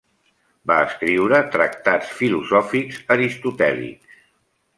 Va escriure tractats filosòfics aristotèlics.